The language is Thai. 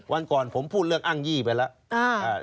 วันก่อนผมพูดเรื่องอ้างยี่ไปแล้ว